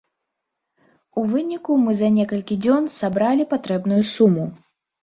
У выніку мы за некалькі дзён сабралі патрэбную суму.